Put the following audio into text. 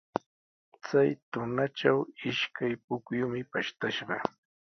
Chay tunatraw ishkay pukyumi pashtashqa.